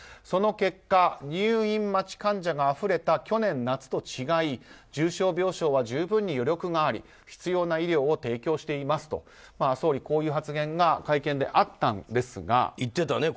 その結果、入院待ち患者があふれた去年夏と違い重症病床は十分に余力があり必要な医療を提供していますと総理、こういう発言が会見であったんですが。